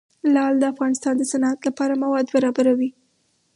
لعل د افغانستان د صنعت لپاره مواد برابروي.